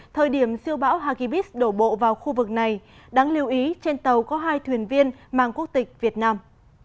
thời điểm siêu bão hagibis đổ bộ vào khu vực này đáng lưu ý trên tàu có hai thuyền viên mang quốc tịch việt nam